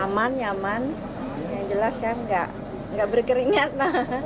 aman nyaman yang jelas kan nggak berkeringat